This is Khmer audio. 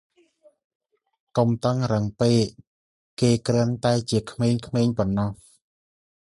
កុំតឹងរ៉ឹងពេក ។ គេគ្រាន់តែគឺជាក្មេងៗប៉ុណ្ណោះ ។